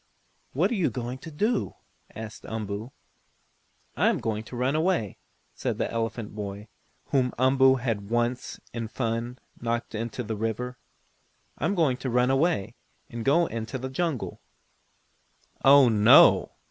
"What are you going to do?" asked Umboo. "I am going to run away," said the elephant boy, whom Umboo had once, in fun, knocked into the river. "I am going to run away, and go out in the jungle." "Oh, no.